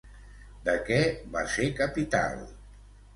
De què va ser capital?